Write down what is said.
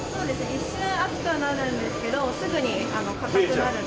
一瞬熱くはなるんですけどすぐに硬くなるので。